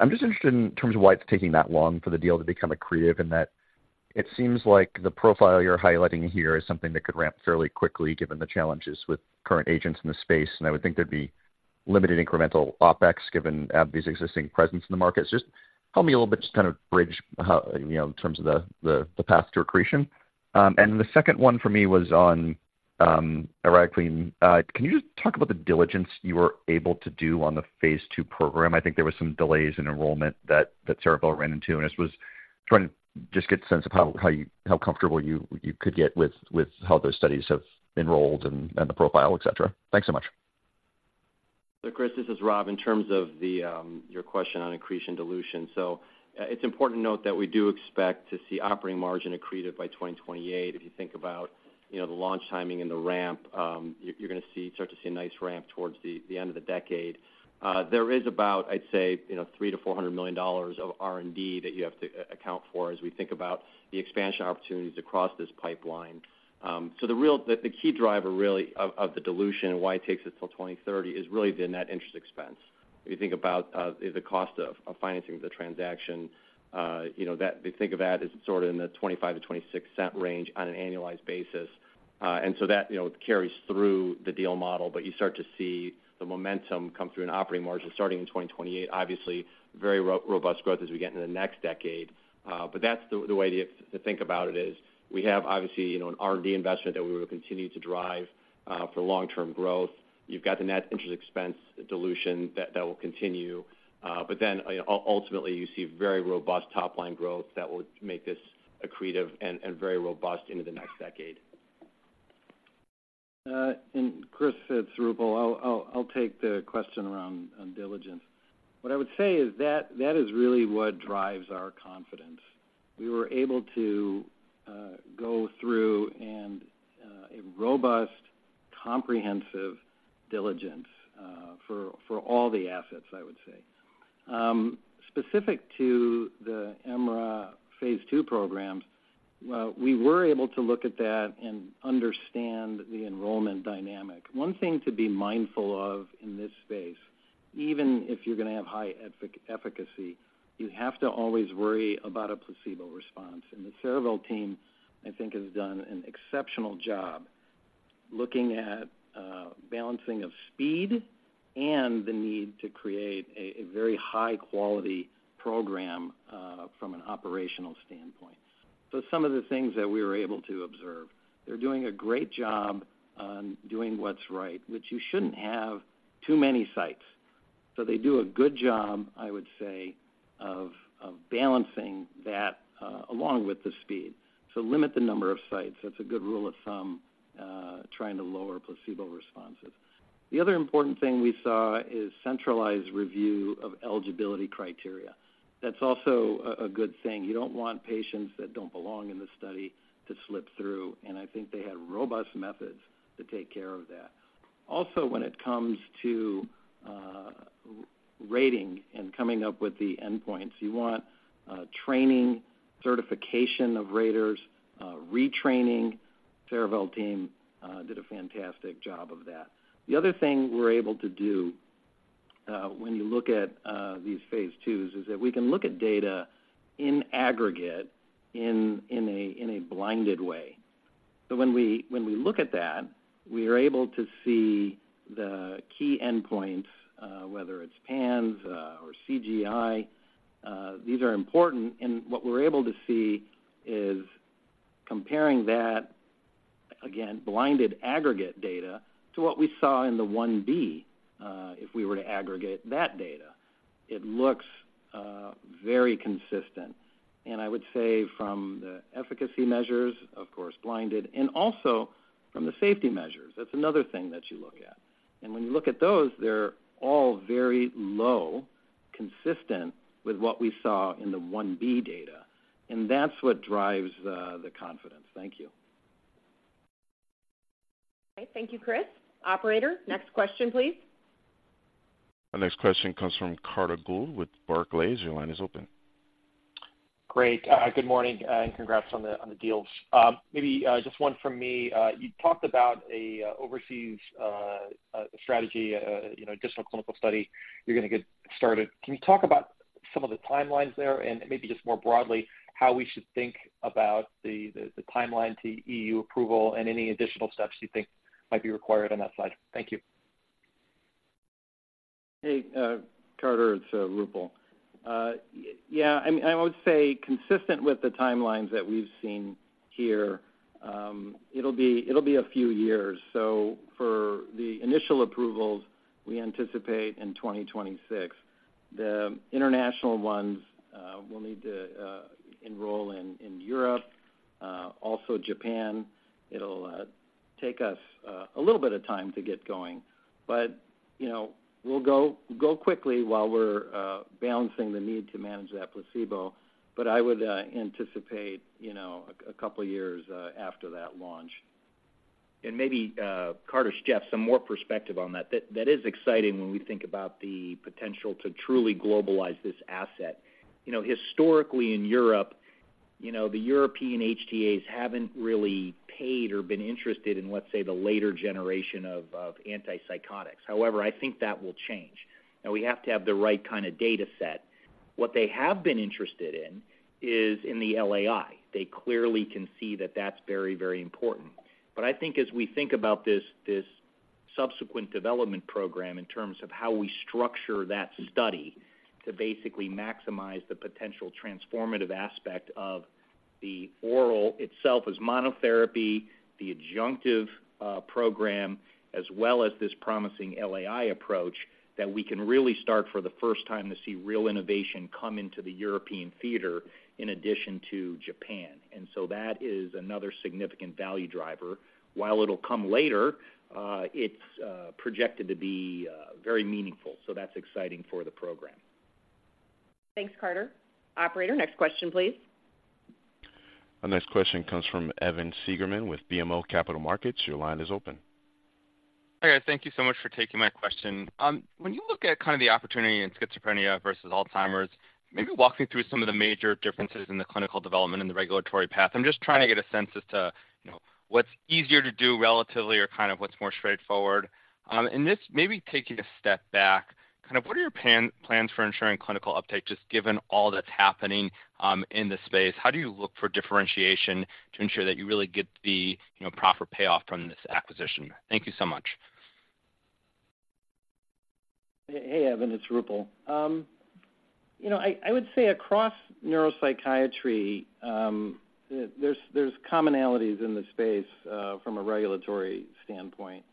I'm just interested in terms of why it's taking that long for the deal to become accretive, and that, It seems like the profile you're highlighting here is something that could ramp fairly quickly, given the challenges with current agents in the space, and I would think there'd be limited incremental OpEx, given AbbVie's existing presence in the market. So just help me a little bit to kind of bridge how, you know, in terms of the path to accretion. And the second one for me was on emraclidine. Can you just talk about the diligence you were able to do on the phase two program? I think there was some delays in enrollment that Cerevel ran into, and I just was trying to just get a sense of how comfortable you could get with how those studies have enrolled and the profile, et cetera. Thanks so much. So Chris, this is Rob. In terms of the, your question on accretion dilution. So, it's important to note that we do expect to see operating margin accretive by 2028. If you think about, you know, the launch timing and the ramp, you're gonna see start to see a nice ramp towards the, the end of the decade. There is about, I'd say, you know, $300 million-$400 million of R&D that you have to account for as we think about the expansion opportunities across this pipeline. So the real... The, the key driver, really, of, of the dilution and why it takes us till 2030, is really the net interest expense. If you think about the cost of financing the transaction, you know, think of that as sort of in the $0.25-$0.26 range on an annualized basis. And so that, you know, carries through the deal model, but you start to see the momentum come through in operating margins, starting in 2028. Obviously, very robust growth as we get into the next decade. But that's the way to think about it, is we have, obviously, you know, an R&D investment that we will continue to drive for long-term growth. You've got the net interest expense dilution that will continue, but then ultimately, you see very robust top-line growth that will make this accretive and very robust into the next decade. And Chris, it's Roopal. I'll take the question around on diligence. What I would say is that is really what drives our confidence. We were able to go through and a robust, comprehensive diligence for all the assets, I would say. Specific to the emraclidine phase two programs, we were able to look at that and understand the enrollment dynamic. One thing to be mindful of in this space, even if you're gonna have high efficacy, you have to always worry about a placebo response. And the Cerevel team, I think, has done an exceptional job looking at balancing of speed and the need to create a very high-quality program from an operational standpoint. So some of the things that we were able to observe, they're doing a great job on doing what's right, which you shouldn't have too many sites. So they do a good job, I would say, of balancing that along with the speed. So limit the number of sites. That's a good rule of thumb, trying to lower placebo responses. The other important thing we saw is centralized review of eligibility criteria. That's also a good thing. You don't want patients that don't belong in the study to slip through, and I think they had robust methods to take care of that. Also, when it comes to rating and coming up with the endpoints, you want training, certification of raters, retraining. Cerevel team did a fantastic job of that. The other thing we're able to do, when you look at these phase II, is that we can look at data in aggregate, in a blinded way. So when we look at that, we are able to see the key endpoints, whether it's PANSS or CGI. These are important, and what we're able to see is comparing that, again, blinded aggregate data to what we saw in the 1B, if we were to aggregate that data. It looks very consistent. And I would say from the efficacy measures, of course, blinded, and also from the safety measures, that's another thing that you look at. And when you look at those, they're all very low, consistent with what we saw in the 1B data. And that's what drives the confidence. Thank you. Okay. Thank you, Chris. Operator, next question, please. Our next question comes from Carter Gould with Barclays. Your line is open. Great. Good morning, and congrats on the deals. Maybe just one from me. You talked about an overseas strategy, you know, additional clinical study you're gonna get started. Can you talk about some of the timelines there? And maybe just more broadly, how we should think about the timeline to EU approval and any additional steps you think might be required on that slide? Thank you. Hey, Carter, it's Roopal. Yeah, I mean, I would say consistent with the timelines that we've seen here, it'll be a few years. So for the initial approvals, we anticipate in 2026. The international ones will need to enroll in Europe, also Japan. It'll take us a little bit of time to get going, but, you know, we'll go quickly while we're balancing the need to manage that placebo, but I would anticipate, you know, a couple of years after that launch. And maybe, Carter, Jeff, some more perspective on that. That is exciting when we think about the potential to truly globalize this asset. You know, historically in Europe, you know, the European HTAs haven't really paid or been interested in, let's say, the later generation of antipsychotics. However, I think that will change, and we have to have the right kind of data set.... What they have been interested in is in the LAI. They clearly can see that that's very, very important. But I think as we think about this, this subsequent development program in terms of how we structure that study to basically maximize the potential transformative aspect of the oral itself as monotherapy, the adjunctive program, as well as this promising LAI approach, that we can really start for the first time to see real innovation come into the European theater in addition to Japan. And so that is another significant value driver. While it'll come later, it's projected to be very meaningful. So that's exciting for the program. Thanks, Carter. Operator, next question, please. Our next question comes from Evan Seigerman with BMO Capital Markets. Your line is open. Hi, guys. Thank you so much for taking my question. When you look at kind of the opportunity in schizophrenia versus Alzheimer's, maybe walk me through some of the major differences in the clinical development and the regulatory path. I'm just trying to get a sense as to, you know, what's easier to do relatively or kind of what's more straightforward. And just maybe taking a step back, kind of what are your plans for ensuring clinical uptake, just given all that's happening, in the space? How do you look for differentiation to ensure that you really get the, you know, proper payoff from this acquisition? Thank you so much. Hey, Evan, it's Roopal. You know, I would say across neuropsychiatry, there's commonalities in the space from a regulatory standpoint.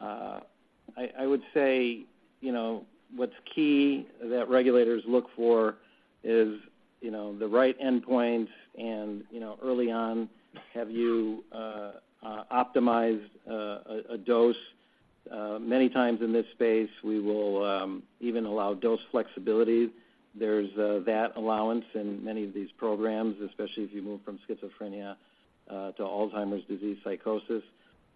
I would say, you know, what's key that regulators look for is, you know, the right endpoint and, you know, early on, have you optimized a dose? Many times in this space, we will even allow dose flexibility. There's that allowance in many of these programs, especially as you move from schizophrenia to Alzheimer's disease psychosis.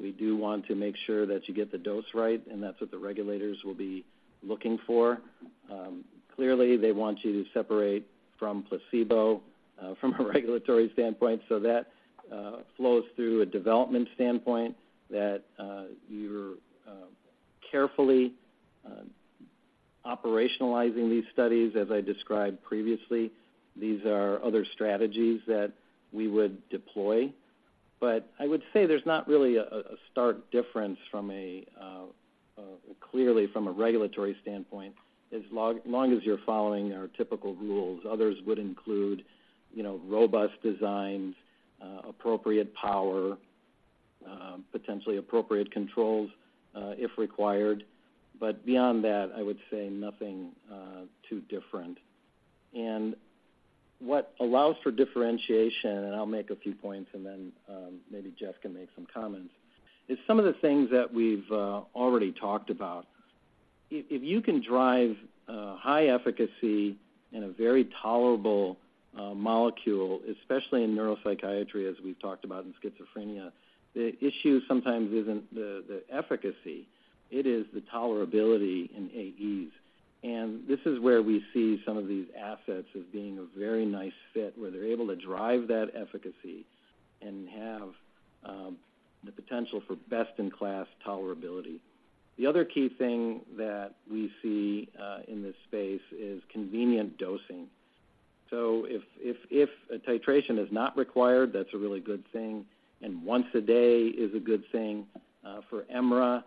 We do want to make sure that you get the dose right, and that's what the regulators will be looking for. Clearly, they want you to separate from placebo from a regulatory standpoint, so that flows through a development standpoint that you're carefully operationalizing these studies. As I described previously, these are other strategies that we would deploy. But I would say there's not really a stark difference, clearly, from a regulatory standpoint, as long as you're following our typical rules. Others would include, you know, robust designs, appropriate power, potentially appropriate controls, if required. But beyond that, I would say nothing too different. And what allows for differentiation, and I'll make a few points, and then, maybe Jeff can make some comments, is some of the things that we've already talked about. If you can drive high efficacy in a very tolerable molecule, especially in neuropsychiatry, as we've talked about in schizophrenia, the issue sometimes isn't the efficacy, it is the tolerability in AEs. And this is where we see some of these assets as being a very nice fit, where they're able to drive that efficacy and have the potential for best-in-class tolerability. The other key thing that we see in this space is convenient dosing. So if a titration is not required, that's a really good thing, and once a day is a good thing for emraclidine,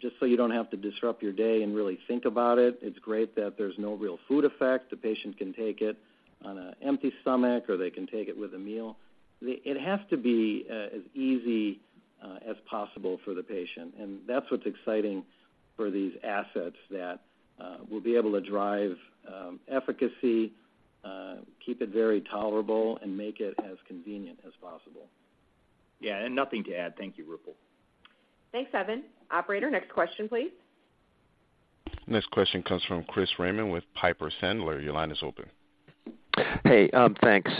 just so you don't have to disrupt your day and really think about it. It's great that there's no real food effect. The patient can take it on an empty stomach, or they can take it with a meal. It has to be as easy as possible for the patient, and that's what's exciting for these assets that will be able to drive efficacy, keep it very tolerable, and make it as convenient as possible. Yeah, and nothing to add. Thank you, Roopal. Thanks, Evan. Operator, next question, please. Next question comes from Chris Raymond with Piper Sandler. Your line is open. Hey, thanks.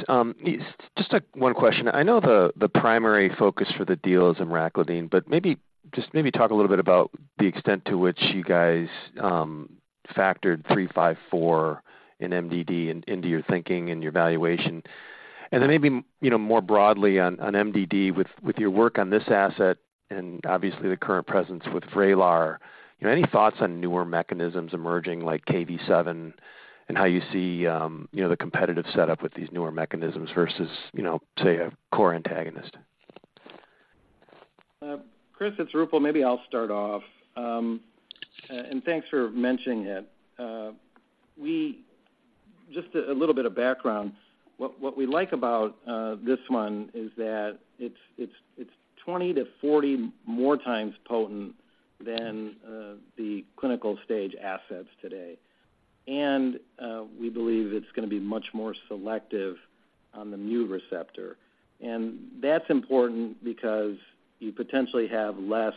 Just, one question. I know the primary focus for the deal is emraclidine, but maybe, just maybe talk a little bit about the extent to which you guys factored 354 in MDD into your thinking and your valuation. And then maybe, you know, more broadly on MDD, with your work on this asset and obviously the current presence with VRAYLAR, any thoughts on newer mechanisms emerging, like KV7, and how you see, you know, the competitive setup with these newer mechanisms versus, you know, say, a KOR antagonist? Chris, it's Roopal. Maybe I'll start off. And thanks for mentioning it. Just a little bit of background. What we like about this one is that it's 20-40 more times potent than the clinical stage assets today. And we believe it's gonna be much more selective on the new receptor. And that's important because you potentially have less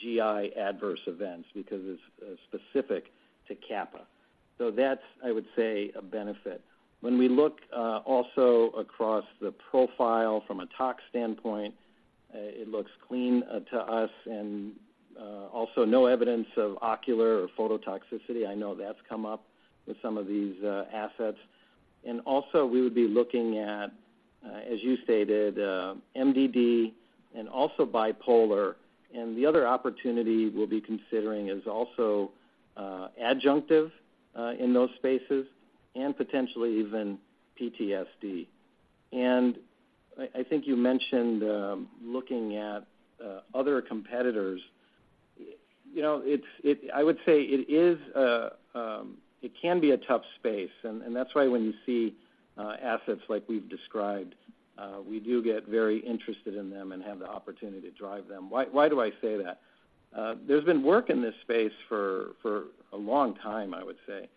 GI adverse events because it's specific to Kappa. So that's, I would say, a benefit. When we look also across the profile from a tox standpoint, it looks clean to us, and also no evidence of ocular or phototoxicity. I know that's come up with some of these assets. And also we would be looking at, as you stated, MDD and also bipolar. The other opportunity we'll be considering is also adjunctive in those spaces and potentially even PTSD. I think you mentioned looking at other competitors. You know, I would say it is a tough space, and that's why when you see assets like we've described, we do get very interested in them and have the opportunity to drive them. Why do I say that? There's been work in this space for a long time, I would say,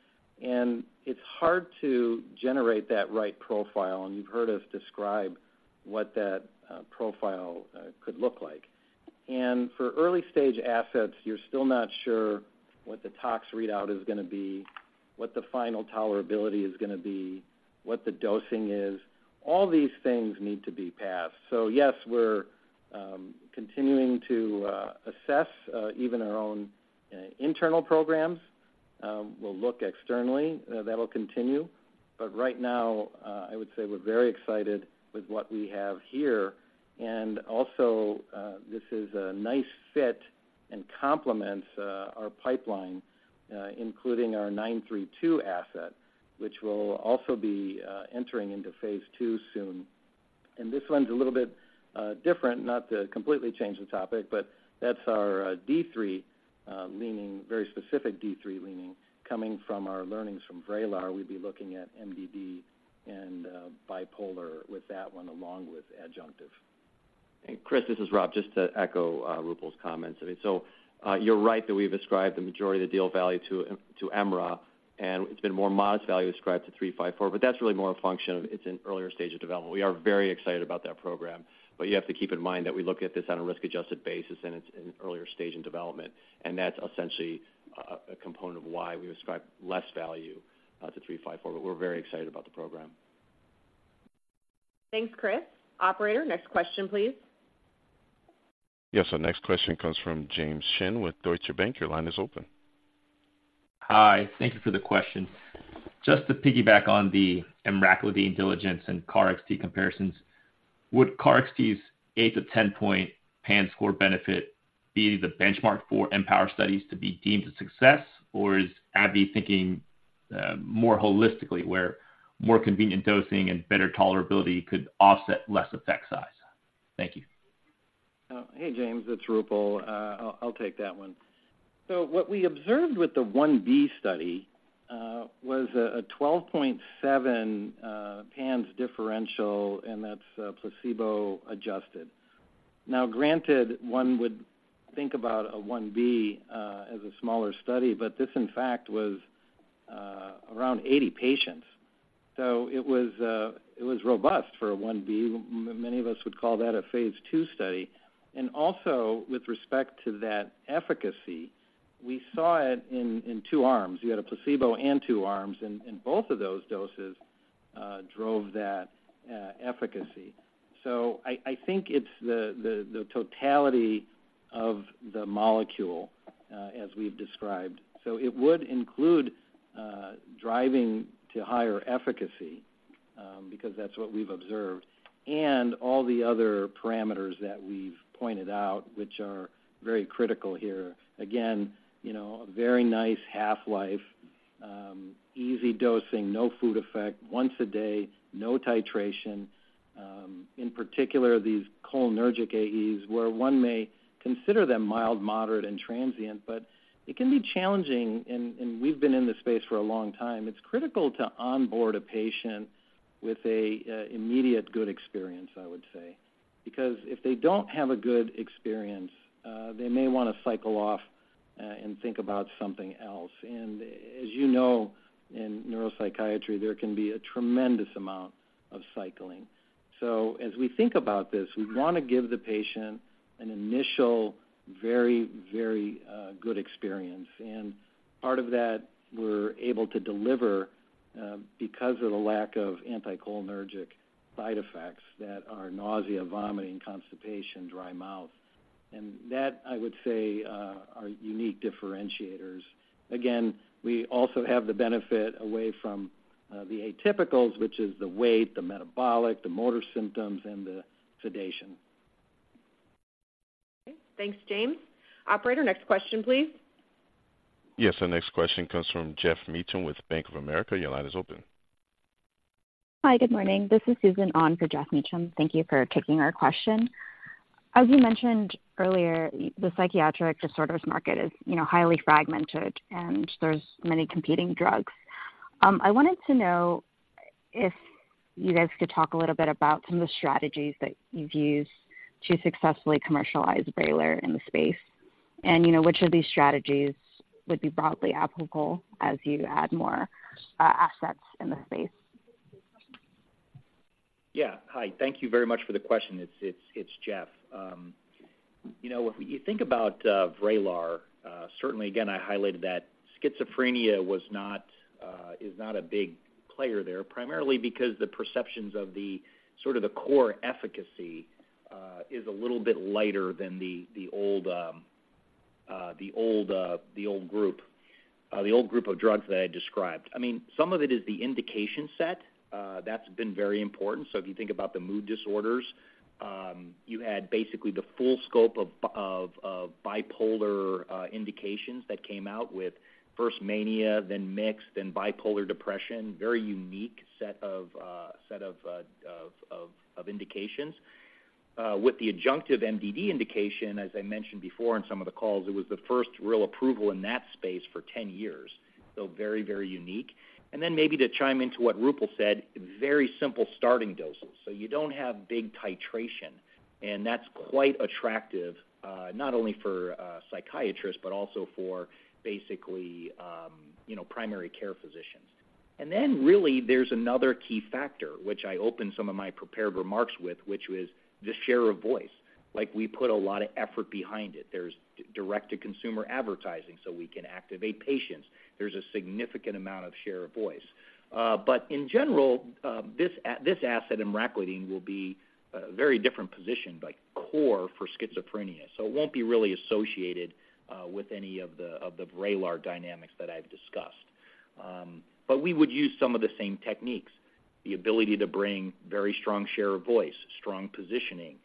and it's hard to generate that right profile, and you've heard us describe what that profile could look like. For early-stage assets, you're still not sure what the tox readout is gonna be, what the final tolerability is gonna be, what the dosing is. All these things need to be passed. So yes, we're continuing to assess even our own internal programs. We'll look externally, that'll continue, but right now, I would say we're very excited with what we have here. And also, this is a nice fit and complements our pipeline, including our 932 asset, which will also be entering into phase II soon. And this one's a little bit different, not to completely change the topic, but that's our D3 leaning, very specific D3 leaning. Coming from our learnings from VRAYLAR, we'd be looking at MDD and bipolar with that one, along with adjunctive. And Chris, this is Rob, just to echo Roopal's comments. I mean, so, you're right that we've ascribed the majority of the deal value to emra, and it's been more modest value ascribed to 354, but that's really more a function of it's an earlier stage of development. We are very excited about that program, but you have to keep in mind that we look at this on a risk-adjusted basis, and it's an earlier stage in development, and that's essentially a component of why we ascribe less value to 354, but we're very excited about the program. Thanks, Chris. Operator, next question, please. Yes, our next question comes from James Shin with Deutsche Bank. Your line is open. Hi, thank you for the question. Just to piggyback on the emraclidine diligence and KarXT comparisons, would KarXT's 8-10 point PANSS score benefit be the benchmark for Empower studies to be deemed a success, or is AbbVie thinking, more holistically, where more convenient dosing and better tolerability could offset less effect size? Thank you. Hey, James, it's Roopal. I'll take that one. So what we observed with the 1B study was a 12.7 PANSS differential, and that's placebo adjusted. Now, granted, one would think about a 1B as a smaller study, but this, in fact, was around 80 patients. So it was robust for a 1B. Many of us would call that a phase II study. And also, with respect to that efficacy, we saw it in two arms. You had a placebo and two arms, and both of those doses drove that efficacy. So I think it's the totality of the molecule, as we've described. So it would include driving to higher efficacy, because that's what we've observed, and all the other parameters that we've pointed out, which are very critical here. Again, you know, a very nice half-life, easy dosing, no food effect, once a day, no titration. In particular, these cholinergic AEs, where one may consider them mild, moderate, and transient, but it can be challenging, and we've been in this space for a long time. It's critical to onboard a patient with a immediate good experience, I would say. Because if they don't have a good experience, they may wanna cycle off, and think about something else. And as you know, in neuropsychiatry, there can be a tremendous amount of cycling. So as we think about this, we wanna give the patient an initial very, very good experience. Part of that we're able to deliver, because of the lack of anticholinergic side effects that are nausea, vomiting, constipation, dry mouth. That, I would say, are unique differentiators. Again, we also have the benefit away from, the atypicals, which is the weight, the metabolic, the motor symptoms, and the sedation. Okay. Thanks, James. Operator, next question, please. Yes, our next question comes from Jeff Meacham with Bank of America. Your line is open. Hi, good morning. This is Susan Oh for Jeff Meacham. Thank you for taking our question. As you mentioned earlier, the psychiatric disorders market is, you know, highly fragmented, and there's many competing drugs. I wanted to know if you guys could talk a little bit about some of the strategies that you've used to successfully commercialize VRAYLAR in the space, and, you know, which of these strategies would be broadly applicable as you add more assets in the space? Yeah. Hi, thank you very much for the question. It's Jeff. You know, if you think about VRAYLAR, certainly, again, I highlighted that schizophrenia is not a big player there, primarily because the perceptions of the sort of the core efficacy is a little bit lighter than the old group of drugs that I described. I mean, some of it is the indication set that's been very important. So if you think about the mood disorders, you had basically the full scope of bipolar indications that came out with first mania, then mixed, then bipolar depression, very unique set of indications. With the adjunctive MDD indication, as I mentioned before in some of the calls, it was the first real approval in that space for 10 years, so very, very unique. And then maybe to chime into what Roopal said, very simple starting doses. So you don't have big titration, and that's quite attractive, not only for psychiatrists, but also for basically, you know, primary care physicians. And then really, there's another key factor, which I opened some of my prepared remarks with, which was the share of voice. Like, we put a lot of effort behind it. There's direct-to-consumer advertising, so we can activate patients. There's a significant amount of share of voice. But in general, this asset emraclidine will be very different position, like core for schizophrenia. So it won't be really associated with any of the VRAYLAR dynamics that I've discussed. But we would use some of the same techniques, the ability to bring very strong share of voice, strong positioning,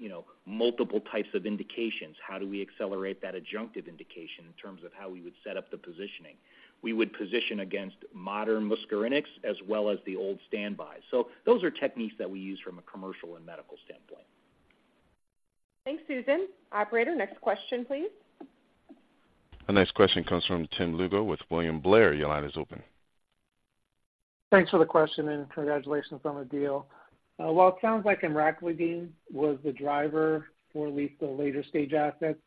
you know, multiple types of indications. How do we accelerate that adjunctive indication in terms of how we would set up the positioning? We would position against modern muscarinics as well as the old standbys. So those are techniques that we use from a commercial and medical standpoint. Thanks, Susan. Operator, next question, please. Our next question comes from Tim Lugo with William Blair. Your line is open. Thanks for the question and congratulations on the deal. While it sounds like emraclidine was the driver for at least the later stage assets,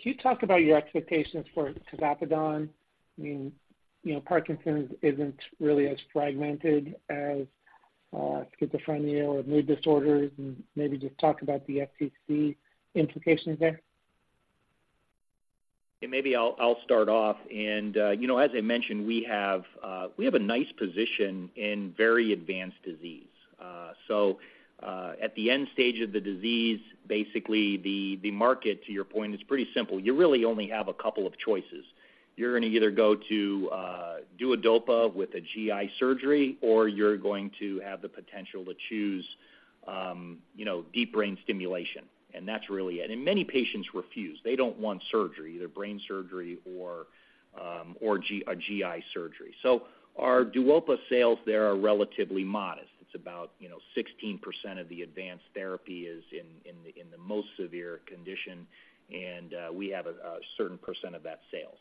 can you talk about your expectations for tavapadon? I mean, you know, Parkinson's isn't really as fragmented as, schizophrenia or mood disorders, and maybe just talk about the FTC implications there. Yeah, maybe I'll start off. And, you know, as I mentioned, we have a nice position in very advanced disease. So, at the end stage of the disease, basically the market, to your point, is pretty simple. You really only have a couple of choices. You're gonna either go to DUOPA with a GI surgery, or you're going to have the potential to choose, you know, deep brain stimulation, and that's really it. And many patients refuse. They don't want surgery, either brain surgery or GI, a GI surgery. So our DUOPA sales there are relatively modest. It's about, you know, 16% of the advanced therapy is in the most severe condition, and we have a certain percent of that sales.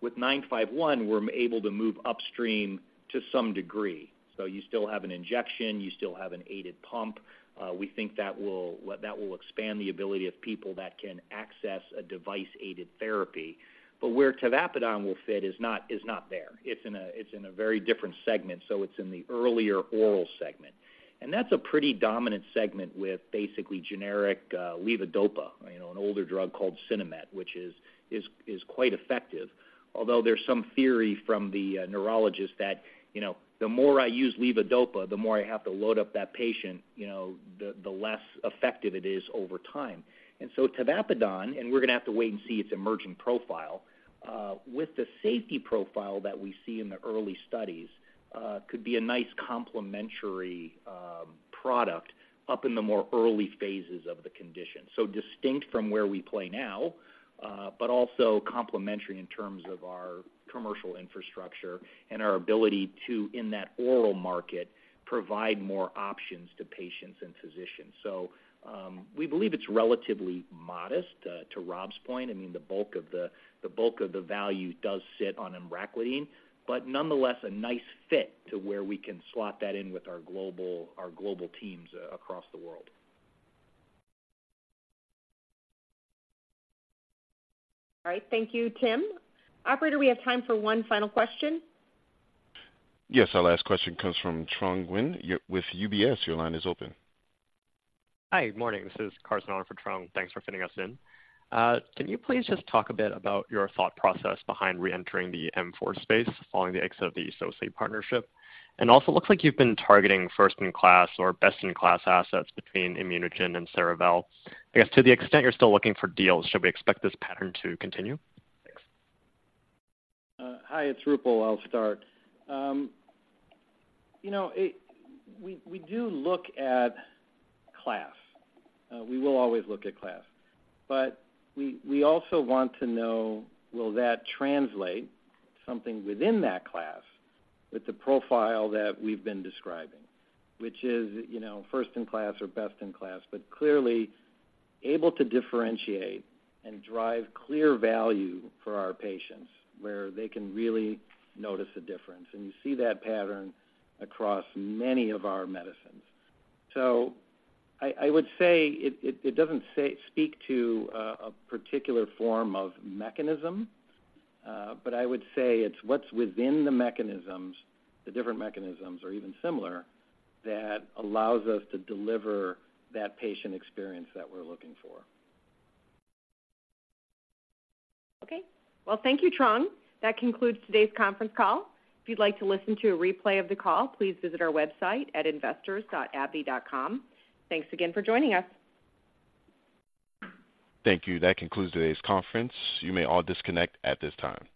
With 951, we're able to move upstream to some degree. So you still have an injection, you still have an aided pump. We think that will expand the ability of people that can access a device-aided therapy. But where tavapadon will fit is not there. It's in a very different segment, so it's in the earlier oral segment. And that's a pretty dominant segment with basically generic levodopa, you know, an older drug called Sinemet, which is quite effective. Although there's some theory from the neurologist that, you know, the more I use levodopa, the more I have to load up that patient, you know, the less effective it is over time. And so tavapadon, and we're gonna have to wait and see its emerging profile, with the safety profile that we see in the early studies, could be a nice complementary product up in the more early phases of the condition. So distinct from where we play now, but also complementary in terms of our commercial infrastructure and our ability to, in that oral market, provide more options to patients and physicians. So, we believe it's relatively modest, to Rob's point. I mean, the bulk of the value does sit on emraclidine, but nonetheless, a nice fit to where we can slot that in with our global teams across the world. All right. Thank you, Tim. Operator, we have time for one final question. Yes, our last question comes from Truong-Chi Nguyen with UBS. Your line is open. Hi, morning. This is Carson Tong for Truong. Thanks for fitting us in. Can you please just talk a bit about your thought process behind reentering the M4 space following the exit of the associate partnership? And also, it looks like you've been targeting first-in-class or best-in-class assets between ImmunoGen and Cerevel. I guess to the extent you're still looking for deals, should we expect this pattern to continue? Hi, it's Roopal. I'll start. You know, we do look at class. We will always look at class, but we also want to know, will that translate something within that class with the profile that we've been describing, which is, you know, first-in-class or best-in-class, but clearly able to differentiate and drive clear value for our patients, where they can really notice a difference. And you see that pattern across many of our medicines. So I would say it doesn't speak to a particular form of mechanism, but I would say it's what's within the mechanisms, the different mechanisms or even similar, that allows us to deliver that patient experience that we're looking for. Okay. Well, thank you, Tong. That concludes today's conference call. If you'd like to listen to a replay of the call, please visit our website at investors.abbvie.com. Thanks again for joining us. Thank you. That concludes today's conference. You may all disconnect at this time.